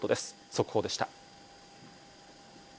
速報でした。